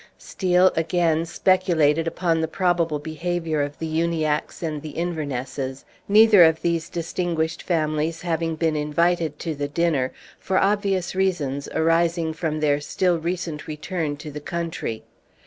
Steel, again, speculated upon the probable behavior of the Uniackes and the Invernesses, neither of these distinguished families having been invited to the dinner, for obvious reasons arising from their still recent return to the country.